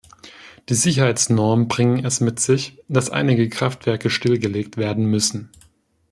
Die Sicherheitsnormen bringen es mit sich, dass einige Kraftwerke stillgelegt werden müssen.